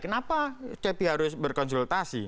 kenapa cp harus berkonsultasi